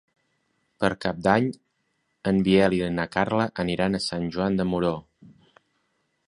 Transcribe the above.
Per Cap d'Any en Biel i na Carla aniran a Sant Joan de Moró.